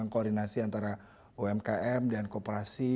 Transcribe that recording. koordinasi antara umkm dan kooperasi